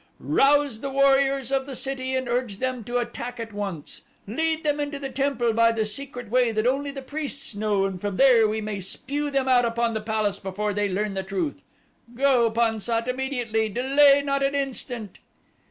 Rouse the warriors of the city and urge them to attack at once. Lead them into the temple by the secret way that only the priests know and from here we may spew them out upon the palace before they learn the truth. Go, Pan sat, immediately delay not an instant."